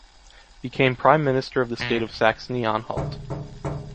Became prime minister of the state of Saxony-Anhalt.